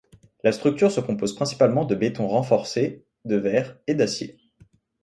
La structure se compose principalement de béton renforcé, de verre et d'acier.